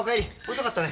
遅かったね。